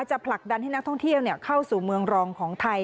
ผลักดันให้นักท่องเที่ยวเข้าสู่เมืองรองของไทย